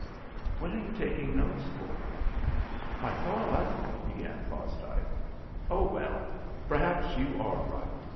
What are you taking notes for?" "I thought " began Fosdike. "Oh, well, perhaps you are right.